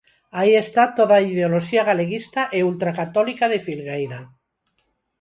Aí está toda a ideoloxía galeguista e ultracatólica de Filgueira.